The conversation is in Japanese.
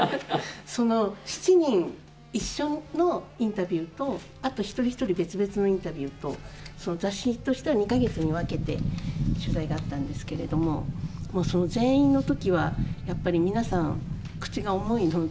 ７人一緒のインタビューと一人一人別々のインタビューと雑誌としては２か月に分けて取材があったんですけれども全員の時は、やっぱり皆さん口が重いので。